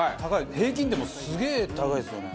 平均点もすげえ高いですよね。